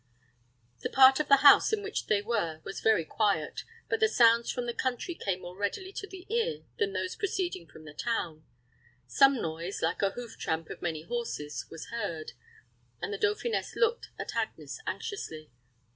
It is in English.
The part of the house in which they were was very quiet; but the sounds from the country came more readily to the ear than those proceeding from the town. Some noise, like the hoof tramp of many horses, was heard, and the dauphiness looked at Agnes anxiously.